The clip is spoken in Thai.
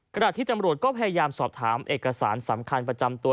ขณะที่ตำรวจก็พยายามสอบถามเอกสารสำคัญประจำตัว